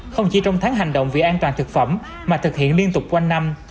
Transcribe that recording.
không chỉ trong tháng hành động vì an toàn thực phẩm mà thực hiện liên tục quanh năm